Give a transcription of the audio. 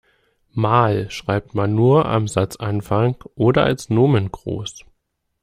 Mal schreibt man nur am Satzanfang oder als Nomen groß.